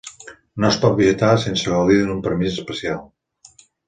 No es pot visitar sense gaudir d'un permís especial.